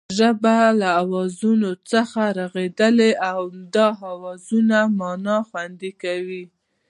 ژبه له آوازونو څخه رغېدلې او همدا آوازونه مانا خوندي کوي